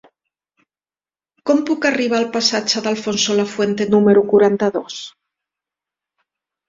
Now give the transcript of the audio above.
Com puc arribar al passatge d'Alfonso Lafuente número quaranta-dos?